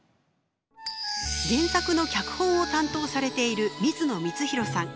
原作の脚本を担当されている水野光博さん